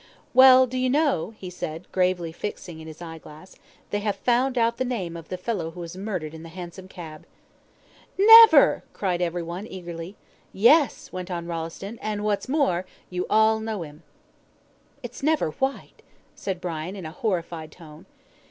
"Well, do you know," he said, gravely fixing in his eye glass, "they have found out the name of the fellow who was murdered in the hansom cab." "Never!" cried every one eagerly. "Yes," went on Rolleston, "and what's more, you all know him." "It's never Whyte?" said Brian, in a horrified tone.